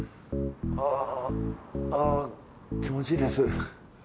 ああ気持ちいいです。